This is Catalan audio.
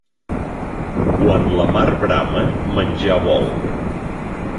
Quan la mar brama, menjar vol.